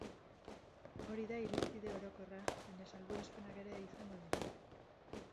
Hori da irizpide orokorra, baina salbuespenak ere izango dira.